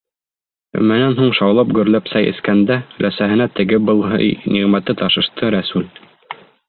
Өмәнән һуң шаулап-гөрләп сәй эскәндә өләсәһенә теге-был һый-ниғмәтте ташышты Рәсүл.